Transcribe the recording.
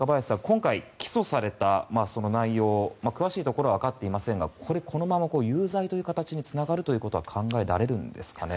今回、起訴された内容詳しいところはわかっていませんがこれ、このまま有罪という形につながることは考えられるんですかね。